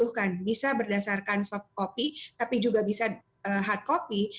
kita membutuhkan bisa berdasarkan soft copy tapi juga bisa hard copy